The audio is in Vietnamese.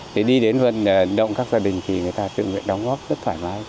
thì đi đến vận động các gia đình thì người ta tự nguyện đóng góp rất thoải mái